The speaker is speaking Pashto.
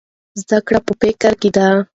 زده کړه په فکر کې ده.